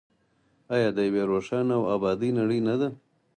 آیا د یوې روښانه او ابادې نړۍ نه ده؟